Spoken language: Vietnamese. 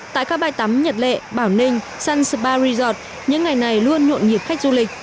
tại các bài tắm nhật lệ bảo ninh sun spa resort những ngày này luôn nhuộn nhiệt khách du lịch